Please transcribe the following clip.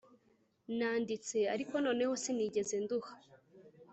nanditse ariko noneho sinigeza nduha